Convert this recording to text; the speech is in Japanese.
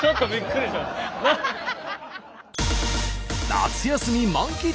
夏休み満喫！